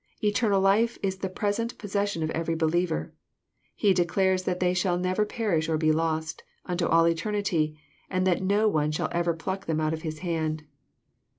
Eternal life is the present pos session of every believer. He declares that they shall never perish or be lost, unto all eternity ; and that no one shall ever pluck them out of His hand.